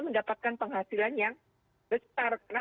mendapatkan penghasilan yang besar karena